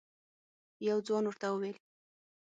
یو ځوان ورته وویل: